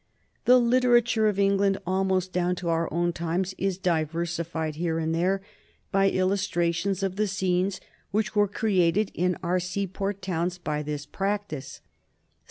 The literature of England, almost down to our own times, is diversified here and there by illustrations of the scenes which were created in our seaport towns by this practice.